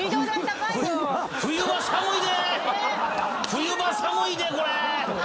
冬場寒いでこれ。